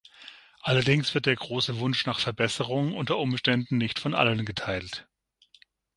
Allerdings wird der große Wunsch nach Verbesserung unter Umständen nicht von allen geteilt.